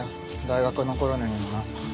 大学残るのにもな。